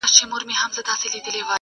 • او پای پوښتنه پرېږدي,